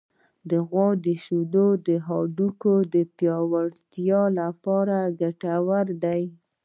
د غوا شیدې د هډوکو پیاوړتیا لپاره ګټورې دي.